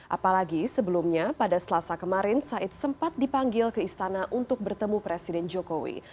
apalagi sebelumnya pada selasa kemarin said sempat dipanggil ke istana untuk bertemu presiden jokowi